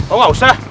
oh gak usah